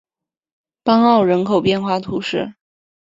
邦奥人口变化图示